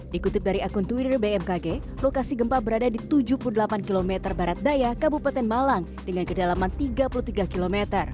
dikutip dari akun twitter bmkg lokasi gempa berada di tujuh puluh delapan km barat daya kabupaten malang dengan kedalaman tiga puluh tiga km